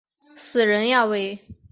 死人呀喂！